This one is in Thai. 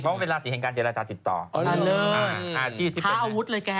เพราะเป็นราศีเห็นการเจราะจาติดต่อ